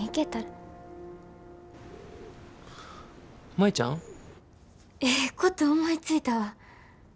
舞ちゃん？ええこと思いついたわ。